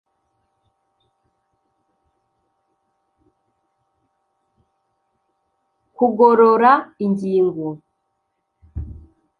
kugorora ingingo